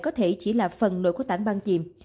có thể chỉ là phần nội của tảng băng chìm